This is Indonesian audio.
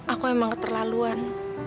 aku emang keterlaluan